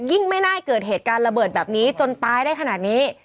ไม่น่าเกิดเหตุการณ์ระเบิดแบบนี้จนตายได้ขนาดนี้